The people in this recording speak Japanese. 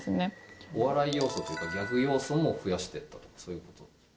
お笑い要素というかギャグ要素も増やしていったとそういう事？